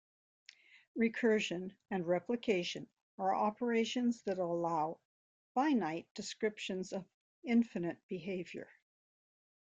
"Recursion" and "replication" are operations that allow finite descriptions of infinite behaviour.